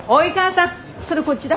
それこっちだ。